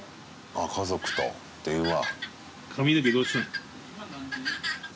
あ家族と電話。